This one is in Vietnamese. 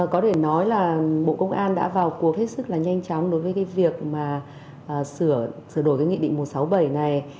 có thể nói là bộ công an đã vào cuộc hết sức là nhanh chóng đối với cái việc mà sửa đổi cái nghị định một trăm sáu mươi bảy này